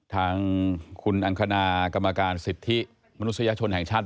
ทางคุณอังคณากรรมการสิทธิมนุษยชนแห่งชาติ